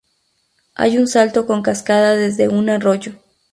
Hay un salto con cascada desde un arroyo.